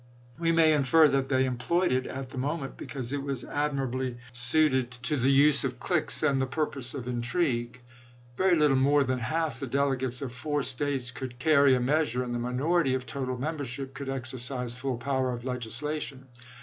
We may infer that they employed it at the moment, because it was admirably suited to 198 ABEAHAM LINCOLN chap. xiii. the use of cliques and the purposes of intrigue. Very little more than half the delegates of four States could carry a measure, and the minority of total membership could exercise full power of leg islation.